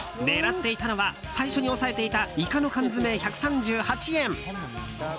狙っていたのは最初に押さえていたイカの缶詰、１３８円。